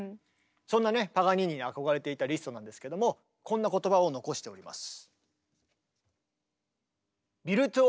そんなねパガニーニに憧れていたリストなんですけどもこんな言葉を残しております。